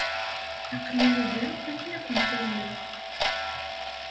Aql-iyi da akken ad kent-alleɣ.